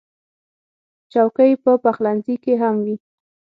چوکۍ په پخلنځي کې هم وي.